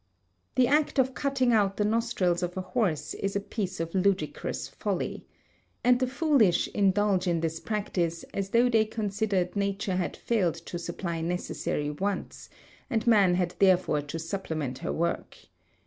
The act of cutting out the nostrils of a horse is a piece of ludicrous folly. And the foolish indulge in this practice as though they considered nature had failed to supply necessary wants, and man had therefore to supplement her work.